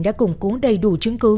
đã củng cú đầy đủ chứng cứ